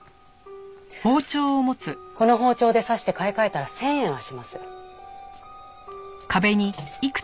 この包丁で刺して買い替えたら１０００円はします。